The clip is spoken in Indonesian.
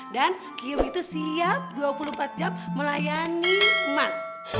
dan kiem itu siap dua puluh empat jam melayani mas